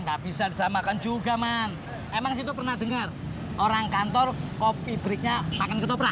nggak bisa disamakan juga man emang situ pernah dengar orang kantor kopi breaknya makan ketoprak